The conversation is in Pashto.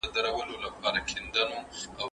هلک بیا هم په دروازه ټکان ورکول.